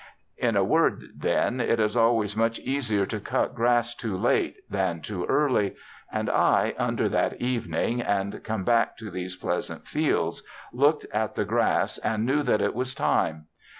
In a word, then, it is always much easier to cut grass too late than too early; and I, under that evening and come back to these pleasant fields, looked at the grass and knew that it was time.